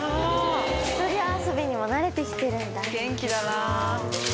一人遊びにも慣れて来てるんだ。